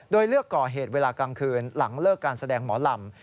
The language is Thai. โดยเลือกก่อเหตุเวลากลางคืนหลังเลิกการแสดงหมอลำ